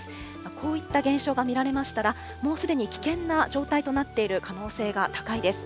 こういった現象が見られましたら、もうすでに危険な状態になっている可能性が高いです。